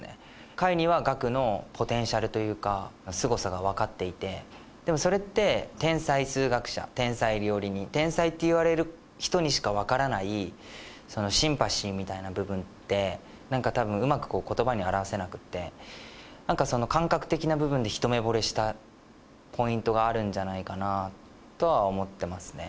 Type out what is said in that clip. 海には岳のポテンシャルというかすごさが分かっていてでもそれって天才数学者天才料理人天才って言われる人にしか分からないシンパシーみたいな部分ってたぶんうまく言葉に表せなくって感覚的な部分で一目ぼれしたポイントがあるんじゃないかなとは思ってますね